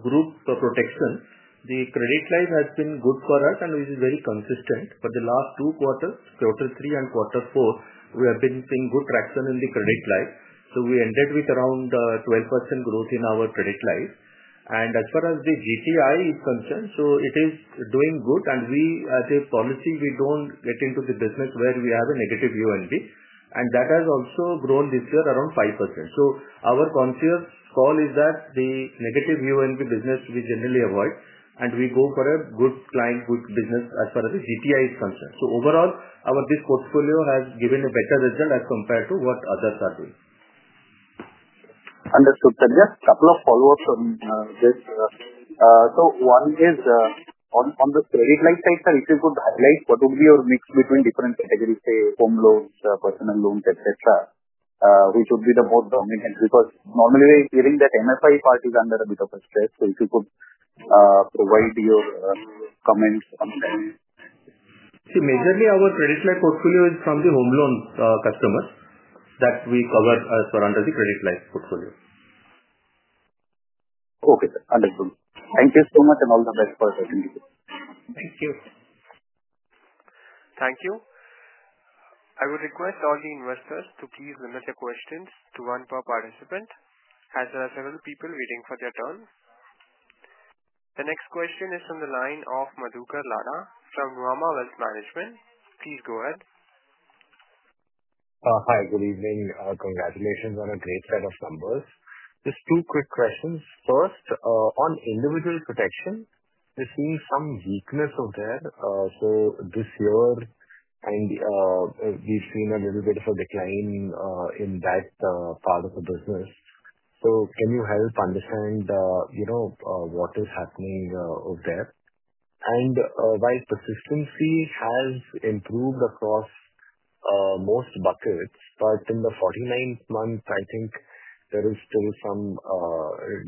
group protection, the credit life has been good for us, and it is very consistent for the last two quarters, quarter three and quarter four. We have been seeing good traction in the credit life. We ended with around 12% growth in our credit life. As far as the GTI is concerned, it is doing good, and we as a policy, we do not get into the business where we have a negative UNB, and that has also grown this year around 5%. Our clear call is that the negative UNB business we generally avoid, and we go for a good client, good business as far as the GTI is concerned. Overall, our portfolio has given a better result as compared to what others are doing. Understood, sir. Just a couple of follow-ups on this. One is on the credit life side, sir, if you could highlight what would be your mix between different categories, say, home loans, personal loans, etc., which would be the most dominant? Because normally we are hearing that MFI part is under a bit of a stress. If you could provide your comments on that. See, majorly our credit life portfolio is from the home loan customers that we cover as per under the credit life portfolio. Okay, sir. Understood. Thank you so much and all the best for attending today. Thank you. Thank you. I would request all the investors to please limit their questions to one per participant as there are several people waiting for their turn. The next question is from the line of Madhukar Ladha from Nuvama Wealth Management. Please go ahead. Hi, good evening. Congratulations on a great set of numbers. Just two quick questions. First, on individual protection, we're seeing some weakness over there. This year, we've seen a little bit of a decline in that part of the business. Can you help understand what is happening over there? While persistency has improved across most buckets, in the 49th month, I think there is still some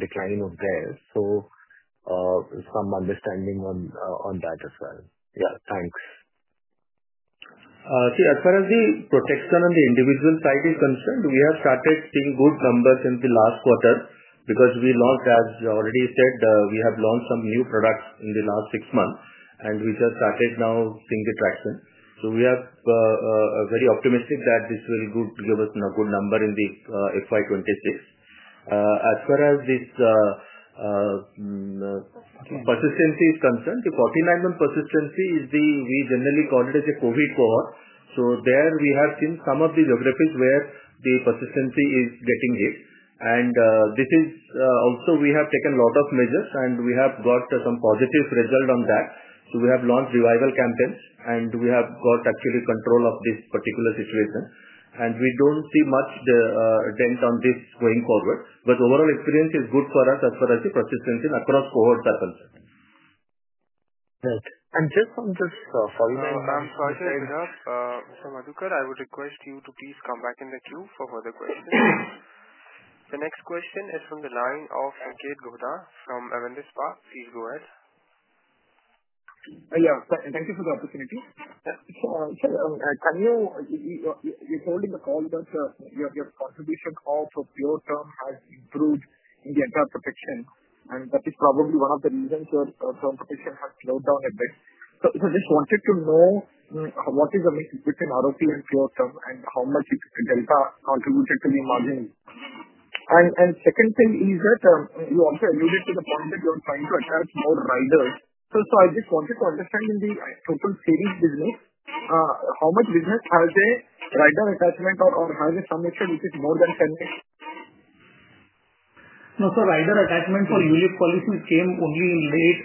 decline over there. Some understanding on that as well. Yeah, thanks. See, as far as the protection on the individual side is concerned, we have started seeing good numbers in the last quarter because we launched, as you already said, we have launched some new products in the last six months, and we just started now seeing the traction. We are very optimistic that this will give us a good number in FY 2026. As far as this persistency is concerned, the 49-month persistency is the, we generally call it as a COVID cohort. There we have seen some of the geographies where the persistency is getting hit. We have taken a lot of measures, and we have got some positive result on that. We have launched revival campaigns, and we have got actually control of this particular situation. We do not see much dent on this going forward, but overall experience is good for us as far as the persistency across cohorts are concerned. Great. Just on this 49-month side as well. Madhukar, I would request you to please come back in the queue for further questions. The next question is from the line of Sanketh Godha from Avendus Spark. Please go ahead. Yeah, thank you for the opportunity. You are holding the call, but your contribution of pure term has improved in the entire protection, and that is probably one of the reasons your term protection has slowed down a bit. I just wanted to know what is the mix between ROP and pure term and how much Delta contributed to the margin. The second thing is that you also alluded to the point that you are trying to attach more riders. I just wanted to understand in the total series business, how much business has a rider attachment or has a summation which is more than 10? Rider attachment for ULIPs policies came only in late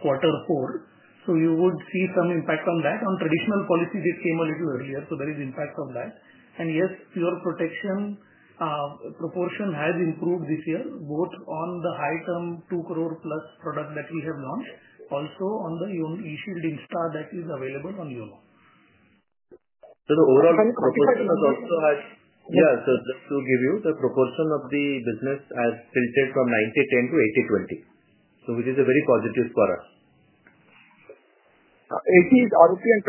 quarter four. You would see some impact on that. On traditional policies, it came a little earlier, so there is impact on that. Yes, pure protection proportion has improved this year, both on the high-term 2 crore plus product that we have launched, also on the E-shield Instar that is available on ULIP. The overall proportion has also had. Yeah, so just to give you, the proportion of the business has tilted from 90/10 to 80/20, which is very positive for us. 80 is ROP and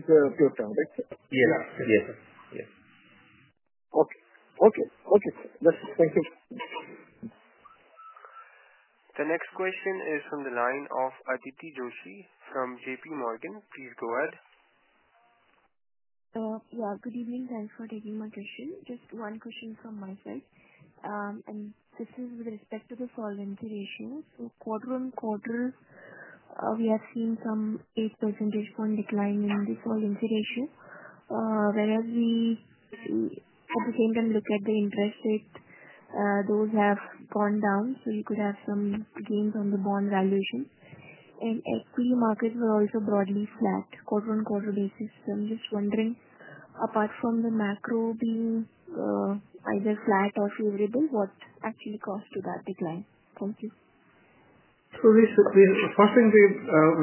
20 is pure term, right? Yes. Yes. Yes. Okay. Okay. Okay. Thank you. The next question is from the line of Aditi Joshi from J.P. Morgan. Please go ahead. Yeah, good evening. Thanks for taking my question. Just one question from my side. This is with respect to the solvency ratio. Quarter on quarter, we have seen some 8 percentage point decline in the solvency ratio. Whereas we at the same time look at the interest rate, those have gone down. You could have some gains on the bond valuation. Equity markets were also broadly flat quarter on quarter basis. I am just wondering, apart from the macro being either flat or favorable, what actually caused that decline? Thank you. First thing,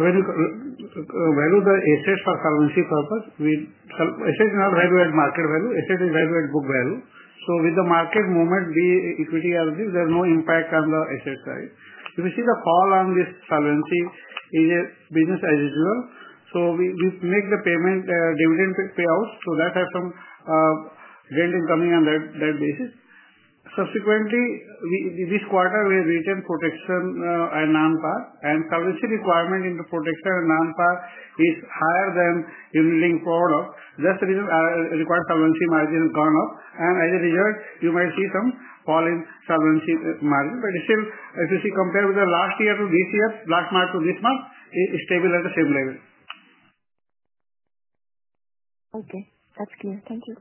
when the assets for solvency purpose, assets are valued at market value. Asset is valued at book value. With the market movement, the equity argues, there is no impact on the asset side. If you see the fall on this solvency, it is business as usual. We make the payment dividend payouts. That has some rent incoming on that basis. Subsequently, this quarter, we retained protection and non-par. Solvency requirement into protection and non-par is higher than in leading quarter. That's the reason required solvency margin has gone up. As a result, you might see some fall in solvency margin. Still, if you see compared with the last year to this year, last month to this month, it is stable at the same level. Okay. That's clear. Thank you.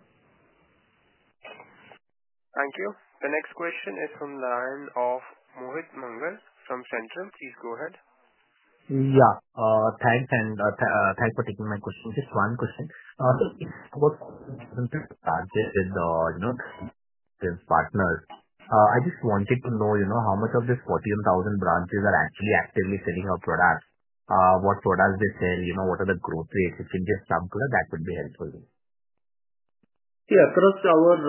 Thank you. The next question is from the line of Mohit Mangal from Centrum. Please go ahead. Yeah. Thanks. And thanks for taking my question. Just one question. It is about the charges with the business partners. I just wanted to know how much of this 14,000 branches are actually actively selling our products? What products they sell? What are the growth rates? If you can just sum up, that would be helpful. Yeah. Across our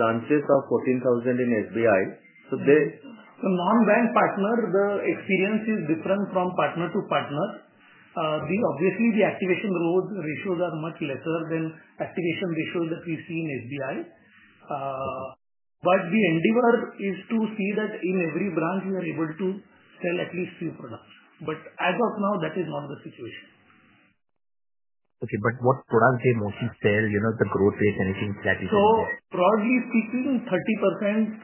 branches of 14,000 in SBI, they. Non-bank partner, the experience is different from partner to partner. Obviously, the activation rate ratios are much lesser than activation ratios that we see in SBI. The endeavor is to see that in every branch, we are able to sell at least few products. As of now, that is not the situation. Okay. What products they mostly sell, the growth rate, anything that is ongoing? Broadly speaking, 30%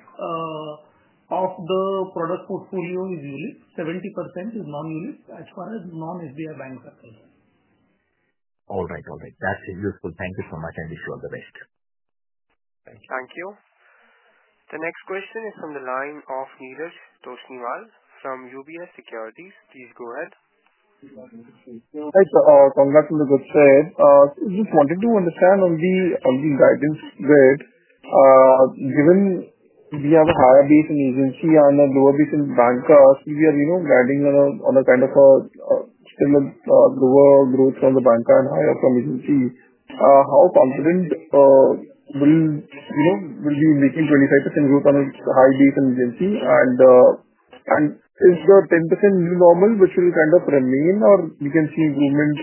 of the product portfolio is ULIPs. 70% is non-ULIPs as far as non-SBI banks are concerned. All right. All right. That's useful. Thank you so much. I wish you all the best. Thank you. Thank you. The next question is from the line of Neeraj Toshniwal from UBS Securities. Please go ahead. Thank you. Congratulations, sir. Just wanted to understand on the guidance rate, given we have a higher base in agency and a lower base in bankers, we are guiding on a kind of a similar lower growth from the banker and higher from agency. How confident will we be making 25% growth on a high base in agency? Is the 10% new normal, which will kind of remain, or can we see improvement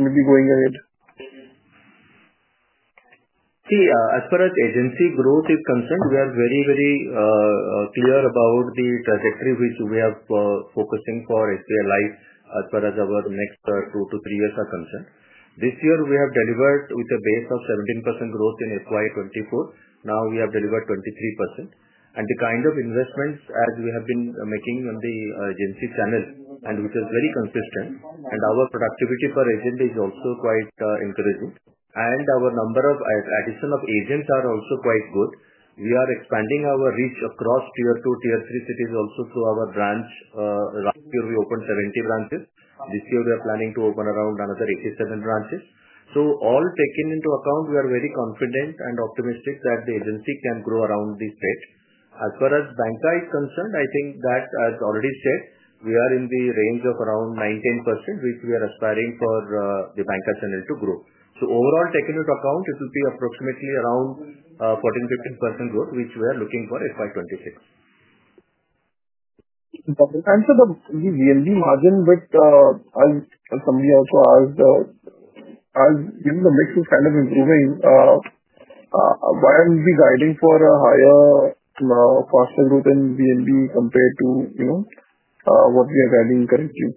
maybe going ahead? See, as far as agency growth is concerned, we are very, very clear about the trajectory which we are focusing for SBI Life as far as our next two to three years are concerned. This year, we have delivered with a base of 17% growth in FY 2024. Now we have delivered 23%. The kind of investments as we have been making on the agency channel, which is very consistent, and our productivity per agent is also quite encouraging. Our number of additional agents are also quite good. We are expanding our reach across tier two, tier three cities also. Our branch, last year we opened 70 branches. This year we are planning to open around another 87 branches. All taken into account, we are very confident and optimistic that the agency can grow around this rate. As far as bancassurance is concerned, I think that, as already said, we are in the range of around 19%, which we are aspiring for the bancassurance channel to grow. Overall, taken into account, it will be approximately around 14%-15% growth, which we are looking for in FY 2026. Thanks for the VNB margin, but as somebody also asked, as the mix is kind of improving, why are we guiding for a higher, faster growth in VNB compared to what we are guiding currently?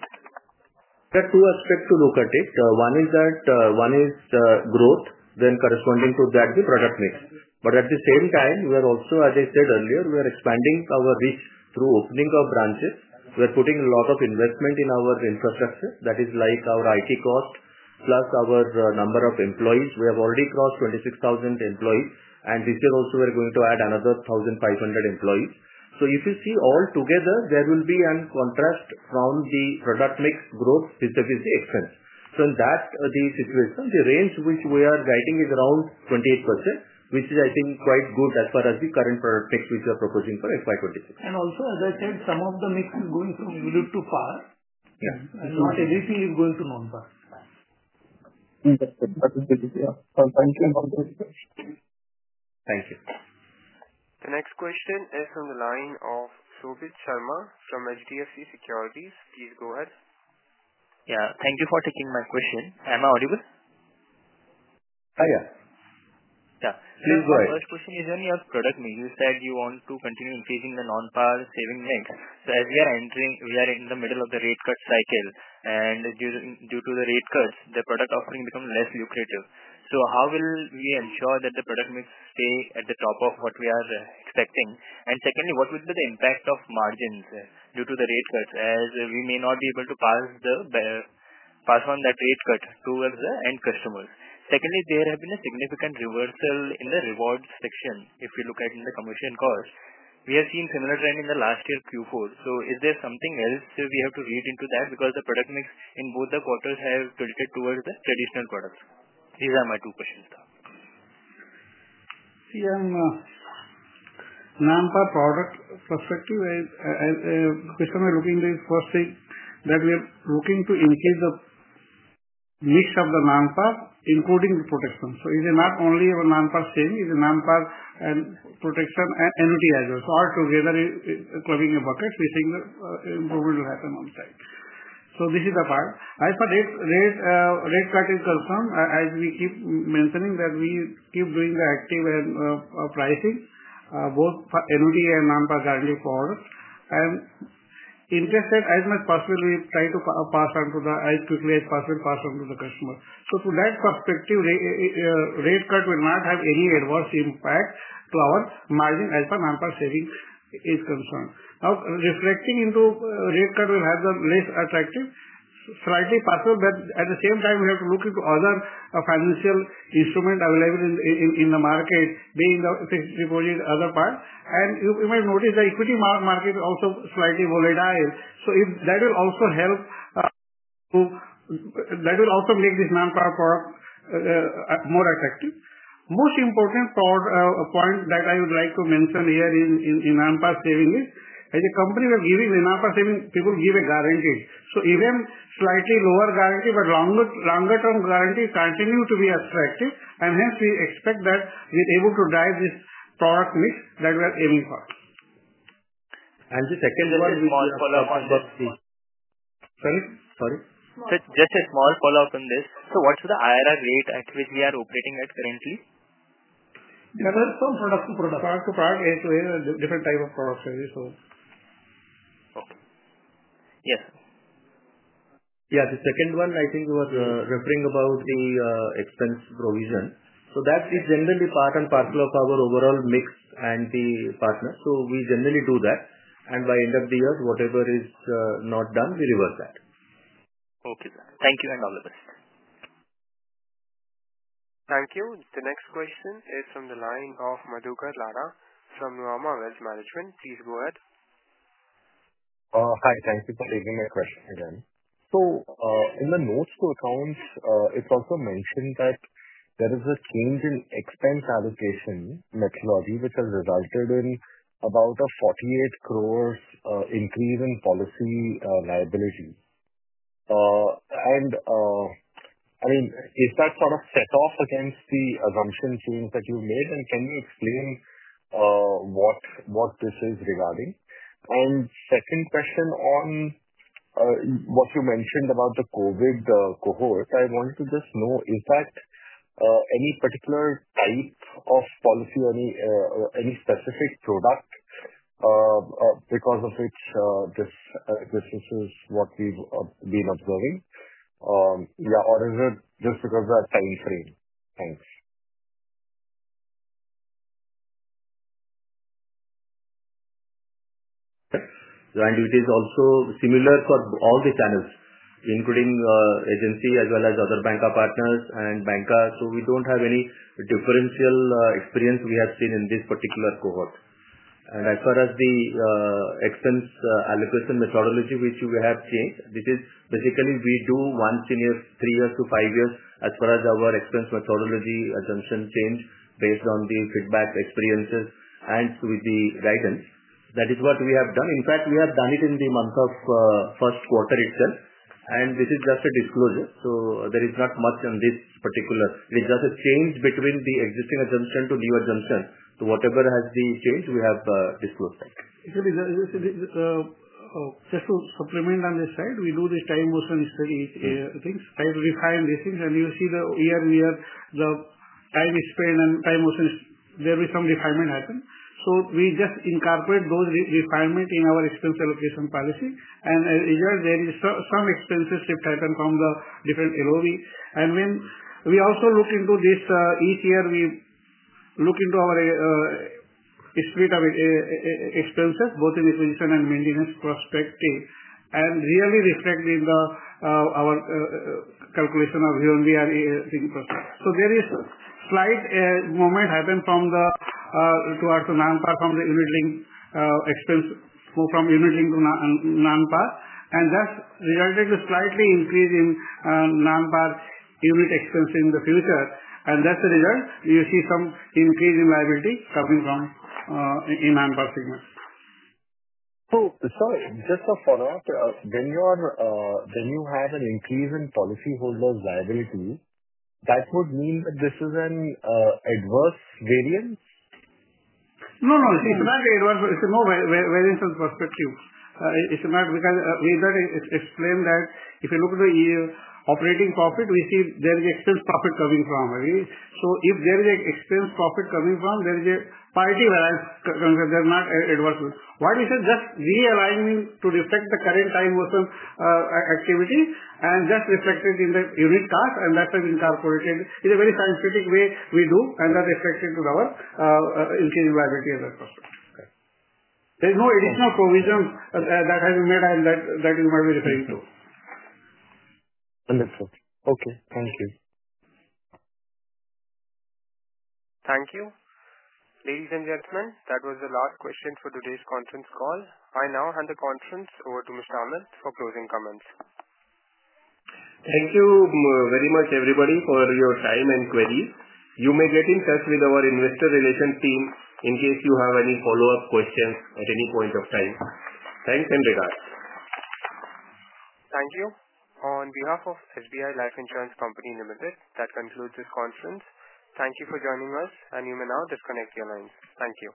There are two aspects to look at it. One is that one is growth, then corresponding to that, the product mix. At the same time, we are also, as I said earlier, we are expanding our reach through opening our branches. We are putting a lot of investment in our infrastructure. That is like our IT cost plus our number of employees. We have already crossed 26,000 employees. This year also, we are going to add another 1,500 employees. If you see all together, there will be a contrast from the product mix growth vis-à-vis the expense. In that situation, the range which we are guiding is around 28%, which is, I think, quite good as far as the current product mix which we are proposing for FY 2026. Also, as I said, some of the mix is going from ULIPs to PAR. Not everything is going to non-PAR. Thank you. Thank you. The next question is from the line of Shobhit Sharma from HDFC Securities. Please go ahead. Yeah. Thank you for taking my question. Am I audible? Yeah. Yeah. Please go ahead. My first question is only on product mix. You said you want to continue increasing the non-PAR saving mix. As we are entering, we are in the middle of the rate cut cycle. Due to the rate cuts, the product offering becomes less lucrative. How will we ensure that the product mix stays at the top of what we are expecting? Secondly, what will be the impact of margins due to the rate cuts as we may not be able to pass on that rate cut to the end customers? There has been a significant reversal in the rewards section. If you look at the commission cost, we have seen a similar trend in the last year Q4. Is there something else we have to read into that? Because the product mix in both the quarters has tilted towards the traditional products. These are my two questions. See, non-PAR product perspective, the question we're looking at is first thing that we are looking to increase the mix of the non-PAR, including protection. It is not only a non-PAR saving. It is non-PAR protection and NOTI as well. Altogether, it's clubbing a bucket, which improvement will happen on the side. This is the part. As for rate cut is concerned, as we keep mentioning that we keep doing the active pricing, both NOTI and non-PAR guiding products. Interest rate as much possible, we try to pass on to the as quickly as possible, pass on to the customer. From that perspective, rate cut will not have any adverse impact to our margin as far as non-PAR saving is concerned. Now, reflecting into rate cut will have the less attractive, slightly possible. At the same time, we have to look into other financial instruments available in the market, being the fixed deposit, other parts. You might notice the equity market is also slightly volatile. That will also help to, that will also make this non-PAR product more attractive. Most important point that I would like to mention here in non-PAR saving is as a company we are giving the non-PAR saving, people give a guarantee. Even slightly lower guarantee, but longer-term guarantee continue to be attractive. Hence, we expect that we are able to drive this product mix that we are aiming for. The second one is small follow-up on both. Sorry? Sorry. Just a small follow-up on this. What's the IRR rate at which we are operating at currently? There is some product to product. Product to product is a different type of product saving, so. Okay. Yes. Yeah. The second one, I think you were referring about the expense provision. That is generally part and parcel of our overall mix and the partners. We generally do that. By end of the year, whatever is not done, we reverse that. Okay. Thank you and all the best. Thank you. The next question is from the line of Madhukar Ladha from Nuvama Wealth Management. Please go ahead. Hi. Thank you for taking my question again. In the notes to accounts, it's also mentioned that there is a change in expense allocation methodology, which has resulted in about 48 crore increase in policy liability. I mean, is that sort of set off against the assumption change that you made? Can you explain what this is regarding? Second question on what you mentioned about the COVID cohort, I wanted to just know, is that any particular type of policy or any specific product because of which this is what we've been observing? Yeah. Or is it just because of that time frame? Thanks. It is also similar for all the channels, including agency as well as other banker partners and bankers. We do not have any differential experience we have seen in this particular cohort. As far as the expense allocation methodology, which we have changed, this is basically something we do once in three years to five years as far as our expense methodology assumption change based on the feedback experiences and with the guidance. That is what we have done. In fact, we have done it in the month of first quarter itself. This is just a disclosure. There is not much on this particular. It is just a change between the existing assumption to new assumption. Whatever has been changed, we have disclosed that. Actually, just to supplement on this side, we do this time-motion study things. I refine these things. You see the year in year, the time is spent and time-motion, there will be some refinement happen. We just incorporate those refinements in our expense allocation policy. As a result, there is some expenses shift happen from the different LOV. When we also look into this, each year we look into our split of expenses, both in acquisition and maintenance perspective, and really reflect in our calculation of VNB and things perspective. There is slight movement happen from the towards the non-PAR from the unit link expense from unit link to non-PAR. That's resulted in slightly increase in non-PAR unit expense in the future. That's the result. You see some increase in liability coming from in non-PAR segment. Sorry, just a follow-up. When you have an increase in policyholders' liability, that would mean that this is an adverse variance? No, no. It's not an adverse. It's a more variance of perspective. It's not because we explain that if you look at the operating profit, we see there is an expense profit coming from. If there is an expense profit coming from, there is a party balance coming from. They're not adverse. Why we say just realign to reflect the current time-motion activity and just reflect it in the unit cost, and that's why we incorporated in a very scientific way we do, and that's reflected to our increase in liability as a perspective. There is no additional provision that has been made that you might be referring to. Wonderful. Okay. Thank you. Thank you. Ladies and gentlemen, that was the last question for today's conference call. I now hand the conference over to Mr. Amit for closing comments. Thank you very much, everybody, for your time and queries. You may get in touch with our investor relations team in case you have any follow-up questions at any point of time. Thanks and regards. Thank you. On behalf of SBI Life Insurance Company Limited, that concludes this conference. Thank you for joining us, and you may now disconnect the lines. Thank you.